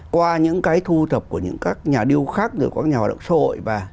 qua những cái thu thập của những các nhà điêu khắc rồi các nhà hoạt động xã hội và